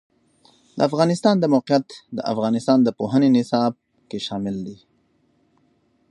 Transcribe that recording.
د افغانستان د موقعیت د افغانستان د پوهنې نصاب کې شامل دي.